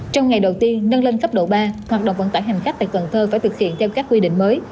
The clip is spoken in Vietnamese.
trong ngày đầu tiên nâng lên cấp độ ba hoạt động vận tải hành khách tại cần thơ phải thực hiện theo các quy định mới